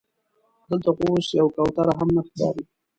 دلته خو اوس یوه کوتره هم نه ښکاري.